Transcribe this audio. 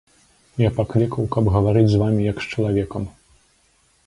Я паклікаў, каб гаварыць з вамі як з чалавекам.